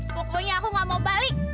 pokoknya aku gak mau balik